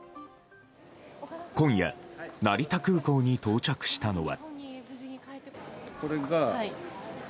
今夜、成田空港に到着したのは。